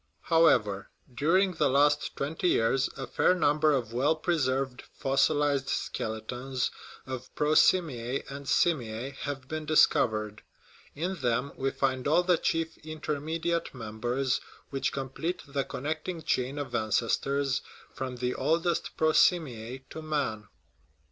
How ever, during the last twenty years a fair number of well preserved fossilized skeletons of prosimias and simiae have been discovered; in them we find all the chief 86 THE HISTORY OF OUR SPECIES intermediate members which complete the connect ing chain of ancestors from the oldest prosimiae to man.